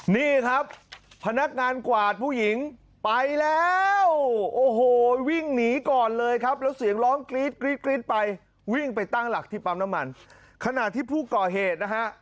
นี่ครับพนักงานกวาดผู้หญิงไปแล้วโอ้โหวิ่งหนีก่อนเลยครับแล้วเสียงร้องกรี๊ดกรี๊ดกรี๊ดไปวิ่งไปตั้งหลักที่ปั๊มน้ำมันขณะที่ผู้ก่อเหตุนะฮะ